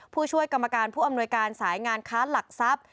ผู้ช่วยกรรมการผู้อำนวยการสายงานค้าหลักทรัพย์